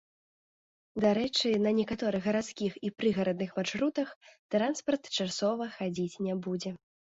Дарэчы, на некаторых гарадскіх і прыгарадных маршрутах транспарт часова хадзіць не будзе.